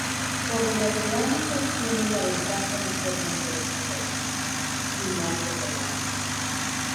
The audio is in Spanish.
Sobre las cerámicas tienen la ventaja de ser más resistentes, y más económicas.